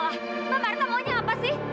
mbak marta maunya apa sih